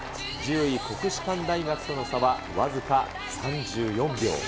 １０位国士舘大学との差は僅か３４秒。